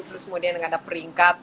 terus kemudian ada peringkat